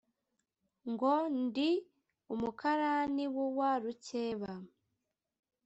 Ngo : Ndi umukarani w'uwa Rukeba.